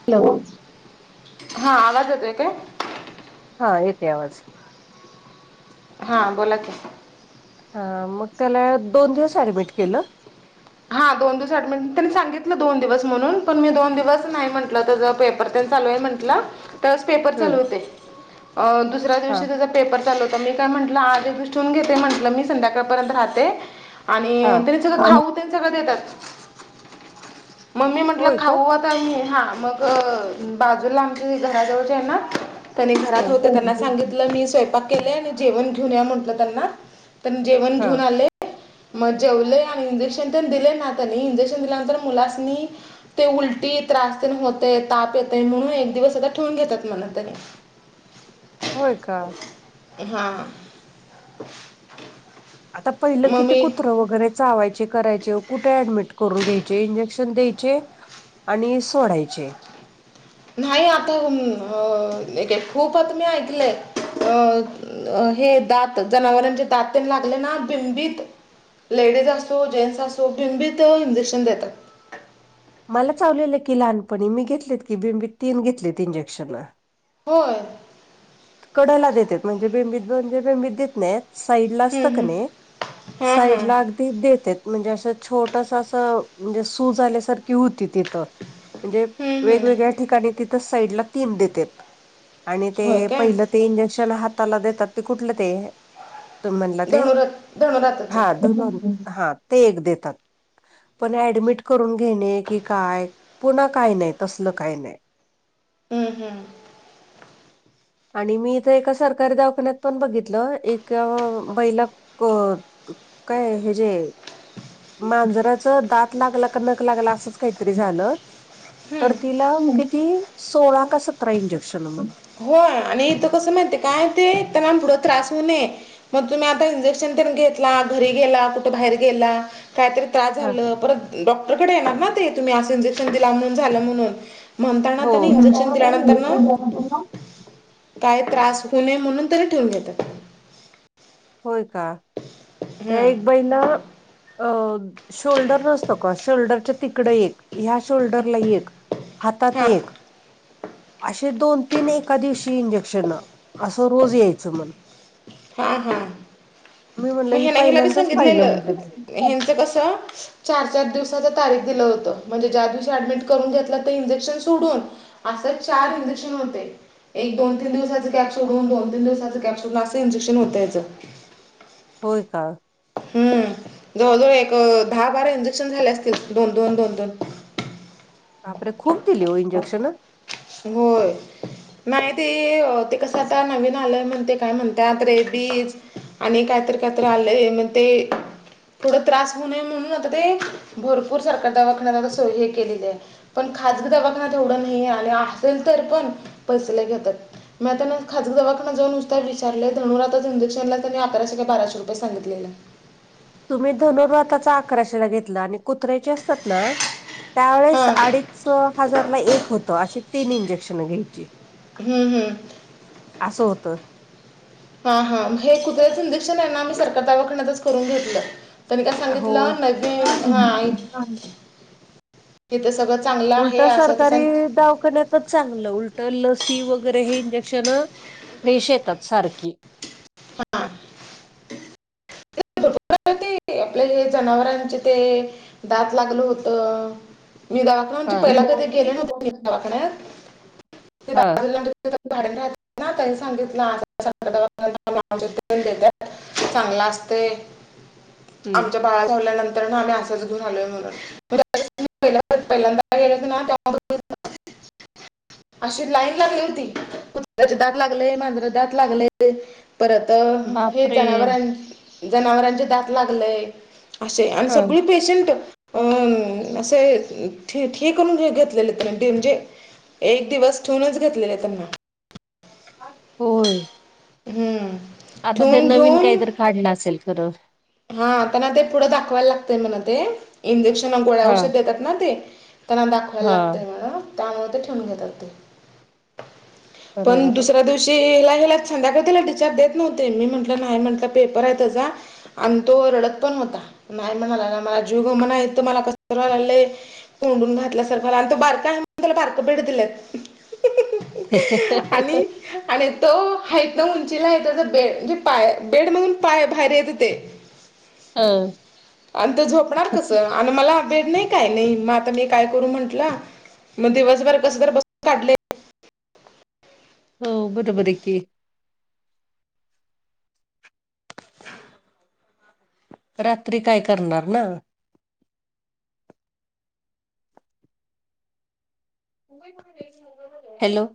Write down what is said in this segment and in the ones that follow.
[inaudible] हा, आवाज येतोय काय? हा येेतेय आवाज. हा बोला की. हा, मग त्याला दोन दिवस ऍडमिट केलं? हा दोन दिवस अडमिट त्यांनी सांगितलं दोन दिवस म्हणून, पण मी दोन दिवस नाही म्हटलं. त्याचा पेपर तेन चालू आहे म्हट टल. त्यावेळेस पेपर हम्म चालू होते. अ दुसऱ्या दिवशी त्याचा हा पेपर चालू मी काय म्हटलं आज येथेच ठेवून घेते. म्हंटलं मी संध्याकाळपर्यंत राहते, आणि हा तरी त्याचा खाऊ तेन सगळं देतात. मग मी म्हंटलं होय का खाऊ काय मी हा मग बाजूला आमच्या घराजवळच्या आहे ना, त्यांनी घरात होते त्यांना सांगितलं मी स्वयपाक केले अणि जेवण घ्यून या म्हटलं त्यांना. तेन जेवण हा घेऊन आले, म जेवले आण इंजेक्शन तर दिले ना त्यांनी इंजेक्शन दिल्यानंतर मुलासनी ते उलटी त्रास तेन होतय. ताप येतय. म्हणून एक दिवस आता ठेवून घेतात म्हनं तेनी. होय का? हा. आता पहिलं किती कुत्रं वगैरे चावायचे करायचे कुटं ऍडमिट करून घ्यायचे इंजेक्शन द्यायचे. आणि सोडायचे. नाही आता अ खूप आता मी ऐकलंय अ अ हे दात जनावरांचे दात तेन लागल ना बिंबीत लेडीज असो जेंटस् असो बेंबीत अ इंजेक्शन देतात. मला चावलेलं की लहानपणी मी घेतलेत की बेंबीत तीन घेतलेत इंजेक्शन. होय? कडला देत्यात. म्हणजे बेंबीत म्हणजे बेंबीत देत नाइत. साईडला हम्म, असतं क हम्म. नी हां हां साईड ला अग ती देत्यात. म्हणजे अस छोटसं अस म्हणजे सूज आल्यासारखी हुती ति त म्हणजे हम्म, हम्म. वेगवेगळ्या ठिकाणी तितं साईडला तीन देत्यात. आणि ते होय काय पहिलं ते इंजेक्शन हाताला देतात ते कुठलं ते तुम्ही म्हणला ते? धनुरात धनुरातच हा धनुर्वात. हा ते एक देतात. पण ऍडमिट करून घेणे की काय? पुन्हा काय नाय तसलं काय नाय. हम्म हम्. आणि मी इथं एका सरकारी दवाखान्यात पण बघितलं एक बैला क काय हेजे मांजराच दात लागला का नक लागलं असंच कायतरी झालं. हम्म. तर तिला ग कीती सोळा का सतरा इंजेक्शन म्हण. हो आणि इथ कसं माहिते काय ते त्यांना पुढं त्रास होऊ नये. म तुम्ही आता इंजेक्शन तेन घेतला घरी गेला कुठ बाहेर गेला कायतरी क्या झालं परत डॉक्टरकड येणार ना ते तुम्ही असं इंजेक्शन दिला म्हणून झालं म्हणून. म्हणताना हो. त्यांनी इंजेक्शन दिल्यानंतरन काय त्रास हू नये म्हणून तेनी ठेवून घेत्यात. व्हय का त्या हां एक बई न अ शोल्डर नसतो का शोल्डरच्या तिकडं एक ह्या शोल्डरला एक हातात हां एक. अशे दोन तीन एका दिवशी इंजेक्शनं. असं रोज यायचं म्हण. हा हा. म्हणलं मी ही हेला - हेला बी पहिल्यांदाच पाहिलं सांगितलेल. म्हणलं मी हेंच कसं चार चार दिवसाचं तारीख दिलं होतं म्हणजे ज्या दिवशी ऍडमिट करून घेतलं ते इंजेक्शन सोडून. असं चार इंजेक्शन हुते. एक दोन तीन दिवसाच गॅप सोडून दोन तीन दिवसाचं गॅप सोडून अस इंजेक्शन होताय हेचं होय का? हम्म. जवळजवळ एक दहा बारा इंजेक्शन झाले असतील दोन -दोन दोन - दोन. बापरे खूप दिली ओ इंजेक्शनं. होय. नाय ते ते कसं आता नवीन आल म्हणं ते काय म्हणत्यात रेबीज आणि कायतर कायतर आलंय म ते पुढं त्रास हू नये म्हणून आता ते भरपूर सरकार दवाखान्यात आता सोय हे केलेलीय. पण खाजगी दवाखान्यात एवढं नाहीय आणि असेल तर पण पैसे लय घेत्यात. मी आंताना खांजक दवाखांना जाऊंनुसतांचारय धणुंर आंताच इंजेशला त्यांनी अराशेि बाराशे रुपये सांगले तुम्हीं धनुर्वथचा अकरांशला घेतलां आणि कुत्र्यांचे असतांत नां हा त्यावेेळेस अडीच सं हजांरला एक होतं अशी तीनं इंजेक्शन घ्यांयची हम्मं हम्मं असं होतं हां हां हे कुतचंदीक्षण आहे नां आम्हीं संरक तं आवाखण्यांतच करूंन घेतलं त्यांनी कायं हो. सांगितलं नदी हां तिथं सगळं चांगलं आहे असं तसं दवखन्यांत तरं चांगलं उलटं लसी वगैरें हे इंजेक्शन रेश येतांत सारखी हां आपल्या हे जनावरांचे ते जातं लागलं होतं वि हा म्हणजे पहि कधीं गेले न्हते वाकण्यांत हा डान राहतं नां तनी सांगितलंन देतांत ते चांगलं असते आमच्या हम्म बाळां वल्यानंतर नां आम्हीं असायचं घेऊन आलोय म्हणूंन पहि पहिल्यांदाळ नां त्यां [unintelligible] अशी लाईन लागली होती कुत्र्यांचे दांत लागले मांजरा दांत लागले परंत हे बापरे जनावरां जनावरांचे दांत लागलेय असं हा सगळें पेशंट अं असे ठी करूंन घेतलेले म्हणजे एक दिवसं ठेवूंनच घेतलेले आहे त्यांना होयं हम्मं आंता ते नवीन कांहींत काढलं असेल खरं हाता ते पुढं दाखवांयला लागतंय म्हंटला ते इंजेक्शन गोळ्यां हा औषध देतांत ते त्यांना दाखवांयला हा लागते म्हं त्यांमुळे ते ठेवूंन घेतांत ते पणं बरोबर आहे. दुसऱ्यां दिवशी लागे लांग संध्याकाळी त्यांला टिचार्ज देतं नव्हते मी म्हंटलं नाहीं म्हटलं पेपर आहे त्यांचा आणि तो रडतं पणं होतां नाहीं म्हणांला मलां जीवग म्हणां यं तरं मलां कसं कसं व्हायं लागलं आहे कोंडून घातल्या सांरखा आणि तो बारका आहे म्हंण त्यांला बारक भेटं दिलंत हं हं आणि हं आणि तो हं नां उंचीला आहे बेड म्हणजे पाय बेड मधूंन पाय बाहेर येतं होते ह आणिंते झोपणांर कसं आणि मलां भेडं नाहीं कायं नाहीं मंग आंता मी कायं करूं म्हंटलं मंग दिवसंभर कसं तरं बसं काढले हो बरोबर आहे की रात्री कायं करणारं नं हॅलो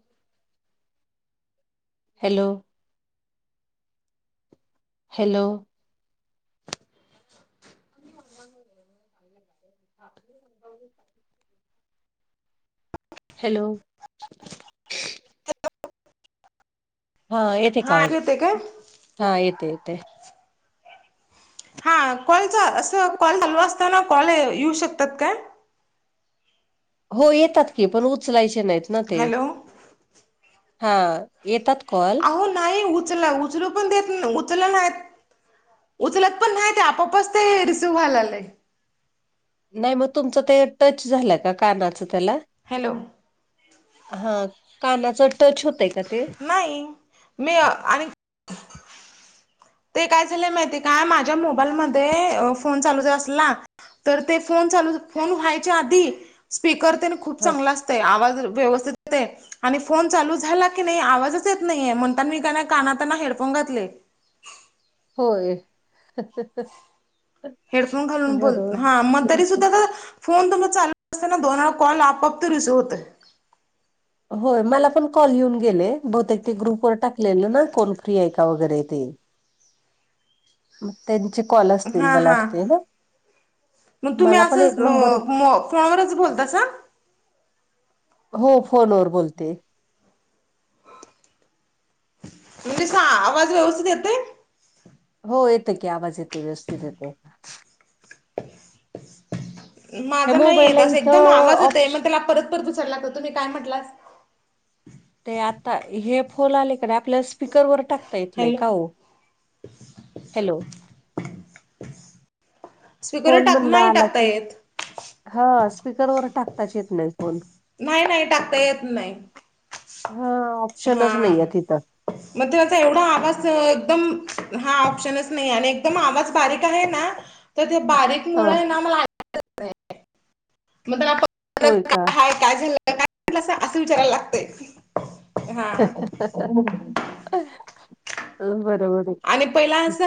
हॅलो हॅलो [unintelligible] हॅलो हां येते आहे कां हा ऐकू आवांज येतंय काय हां येते आहे येते हा कॉलचा असं कॉल चालू असताना कॉल येऊ शकतात काय? हो येतात की पण उचलायचे नाहीत ना ते. हॅलो हा येतात कॉल. अहो नाही उचला उचलू पण देत ना उचल नाहीत. उचलत पण नाही ते आपोआपच ते रिसीव्ह व्हाय लायलय. नाही मग तुमचं ते टच झालं का कानाचं त्याला. हॅलो! हा कानाच टच होतय का ते? नाही. मी आणि ते काय झालंय माहती काय माझ्या मोबाईलमध्ये फोन चालू ज असला तर ते फोन चालू फोन व्हायच्या आधी स्पीकर त्याने खूप हां, चांगला अस ते आवाज व्यवस्थित येते. आणि फोन चालू झाला की नाही आवाजच येत नाहीये म्हणता मी का कानातना हेडफोन घातले. होय. [unintelligible] हेडफोन घालून बोल. बरोबर. हा मग तरी सुद्धा त फोन तुम्ला चालू असताना दोन वेळा कॉल आपोआप ते रिसिव्ह होतय. होय मला पण कॉल येऊन गेले. बहुतेक ते ग्रुपवर टाकलेलं ना? कोण फ्री आहे का वगैरे. ते [inaudible] मग त्यांचे कॉल असतील हा मला हा वाटते ना? मला पण एक नंबर कॉल वरच बोलतासा. हो फोनवर बोलते. म्हणजे सा आवाज व्यवस्थित येतय? हो येते की आवाज येते व्यवस्थित येते. ह्या माझा नाही येत. मोबाईलला अस एकदम इथं आवाज येतय. ऑप्श मग त्याला परत परत उचलला तर तुम्ही काय म्हटलास? ते आता हे फोल आले कणय आप आपल्या स्पीकरवर टाकता येतलय हॅलो का हो? हॅलो! [inaudible] फोन टाक म्हणला नाही आला टाकता की. येत हा स्पीकरवर टाकताच येत नाही फोन. नाही नाही टाकता येत नाही हा आप हा. मग ते माचा एवढा आवाज एकदम हा ऑप्शनच नाही आणि एकदम आवाज बारीक आहे ना? तर ते बारीक हा मुळ आहे ना? [unintelligible] होय का काय झालं काय -लं असं विचारायला लागतंय. हा [unintelligible] बरोबर. आहे आणि पहिला अस [inaudible]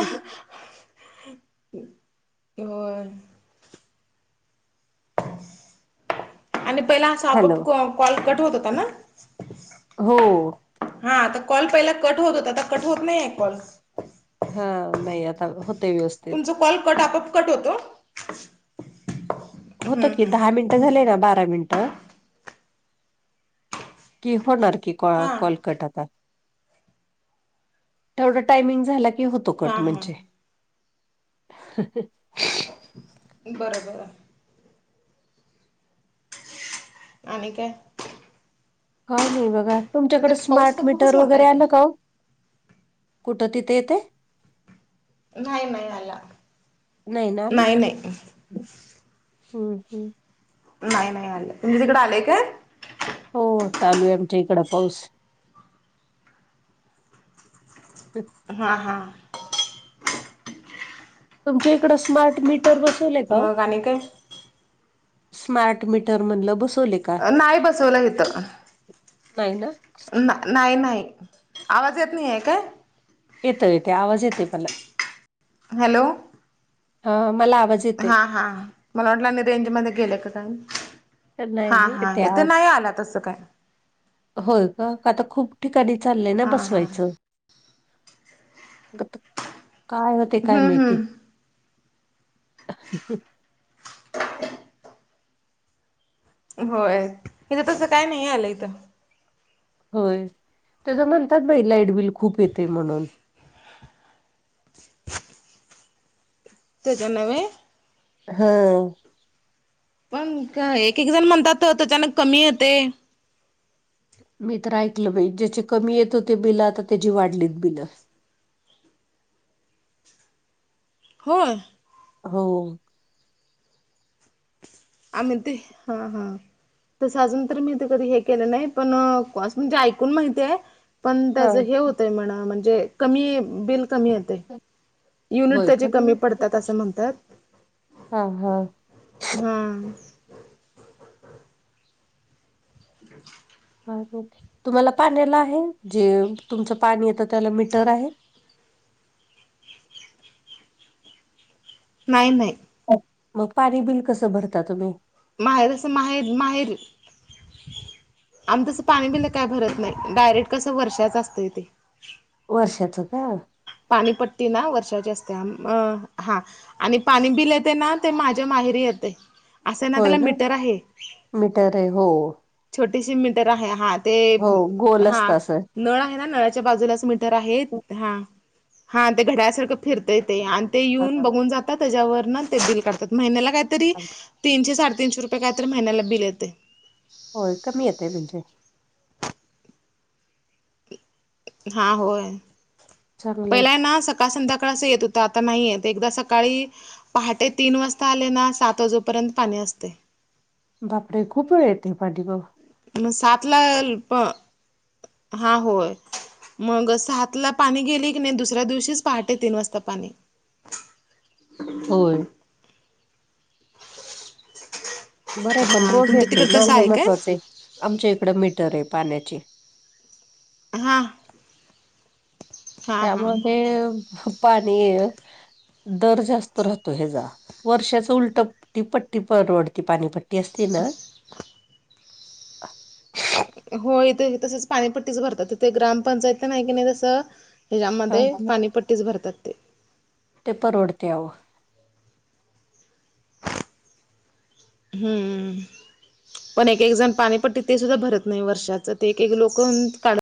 बर आणि पहिला असा आपोआप हॅलो कॉ कॉल कट होत होता ना? हो. हा आता कॉल पहिला कट होत होताता कट होत नाही आहे कॉल. हा नाही आता होते व्यवस्थित. तुमचा कॉल कट आपप कट होतो. हम्म, होतं की हम्म. दहा मिनट मिंट झाले की बारा मिंट [inaudible] की होणार की. कॉ हा -कॉल कट आता. तेवढं टायमिंग झाल की हो - - तोकट हा हा म्हणजे बरोबर. आणि काय? काय नाही बघा. तुमच्याकडे तिथे पाऊस स्मार्ट तर खूपच मीटर मोठा वगैरे आहे आल काय का हो? कुठ तिथे येते. नाही -नाही आला. नाही -नाही. हम् हम् नाही -नाही आले तुम्ही तिकड आलेय का? हो चालू आहे आमच्या इकड पाऊस. हम हा हा तुमच्या इकड स्मार्ट मीटर बसवलय का हो? मग आणि काय स्मार्ट मीटर म्हणल बसवले. का नाही बसवला इथ. नाही ना, नाही नाही आवाज येत नाही काय? येत येते आवाज येते मला. हॅलो. हा मला आवाज. येते हा हा मला वाटल आणि रेंज मध्ये गेले का काय. नाही हा नाही हा येते येथे आवाज नाही आला तस काय. होय का? आता खूप ठिकाणी चाललय ना हा हा बसवायच. काय होते काय हम्म माहिती? हम्म [unintelligible] [unintelligible] होय इथ तस काय नाही आल इथ. होय, ते तर म्हणतात बाई लाईटबिल खूप येतेय म्हणून. त्याच्यान [unintelligible] ह पण का एक एक जण म्हणतात त्याच्यान कमी येतय. मी तर ऐकल बाई ज्याचे कमी येत होते बिल आता त्याची वाढलेत बिल. होय हो आम्ही ते हा हा. तस अजून तर मी ते कधी हे केल नाही, पण म्हणजे ऐकून माहितीय. पण त्याच हा हे होतय म्हणा म्हणजे कमी बिल कमी येतय. युनिट होय त्याचे का? कमी पडतात अस म्हणतात. हा हा हा [unintelligible] तुम्हाला पाण्याला आहे जे तुमच पाणी येत त्याला मीटर आहे. नाही नाही. मग पाणी बिल कस भरता तुम्ही? माहेर अस माहेर माहेरी. आम्ही तस पाणी बिल काय भरत नाही डायरेक्ट कस वर्षाच असतय तेे. वर्षाच का? पाणी पट्टीना वर्षाची असते. हा आणि पाणी बिल येते ना... ते माझ्या माहेरी येतय. असं ए ना... त्याला मीटर आहे... मीटर आहे हो छोटीशी मीटर आहे.... हा ते... हो गोल हा... असत असं. नळ आहे ना... नळाच्या बाजूलाच... मीटर आहेत... हा. हा... ते घड्याळ्यासारखं फिरतंय ते... आन ते हा. येऊन बघून जातात... त्याच्यावरनं ते बिल करतात... महिन्याला काय तरी... तीनशे, साडेतीनशे रुपये कायतरी... महिन्याला बिल येतय. होय... कमी येतेय म्हणजे हा... होय... चांगलंय पहिलं ना... सक सकाळ- संध्याकाळ असं येत होतं... आता नाही येत... एकदा सकाळी पहाटे तीन वास्ता आले ना... सात वाजोपर्यंत पाणी असतंय. बापरे... खूप वेळ येते... पाणी मग मग... सातला... प... हा... होय. मग सहातला पाणी गेलं की नई... दुसऱ्या दिवशीच... पहाटे तीन वास्ता पाणी होय. बरं ए... पण हा रोज तुमच्या येतंय तिकड ना... तसं हे आहे काय महत्वाचं ए... आमच्या इकडं मीटर ए पाण्याची हा. हा हा त्यामुळं ते... हं... पाणी दर जास्त राहतो ह्याचा.. वर्षाचं उलटं... ती पट्टी परवडती... पाणीपट्टी. -टी... असती ना? [unintelligible] हो.. इथं ही तसच... पाणीपट्टीच भरतात... तिथं ग्रामपंचायत तर नाई की नाई तसं ह्याच्यामध्ये... हा. पाणीपट्टीच... भरतात ते ते परवडती अवो. हुम्म्म. पण एक एक जण... पाणी पट्टी, ते सुद्धा भरत नाई वर्षाचं... ते एक एक लोकं... काढ